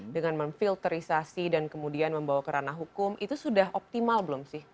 dengan memfilterisasi dan kemudian membawa kerana hukum itu sudah optimal belum sih